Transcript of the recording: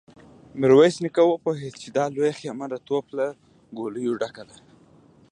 ميرويس نيکه وپوهيد چې دا لويه خيمه د توپ له ګوليو ډکه ده.